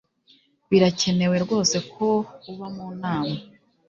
birakenewe rwose ko uba mu nama